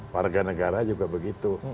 warga negara juga begitu